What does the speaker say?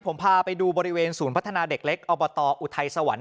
ผมพาไปดูบริเวณศูนย์พัฒนาเด็กเล็กอบตอุทัยสวรรค์